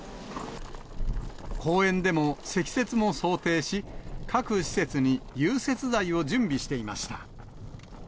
公園でも、積雪も想定し、各施設に融雪剤を準備していました。